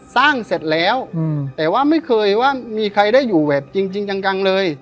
สร้างเสร็จแล้วอืมแต่ว่าไม่เคยว่ามีใครได้อยู่แบบจริงจริงจังกังเลย